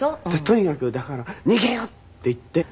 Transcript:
とにかくだから逃げようって言って。